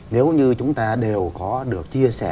nếu như chúng ta đều có được chia sẻ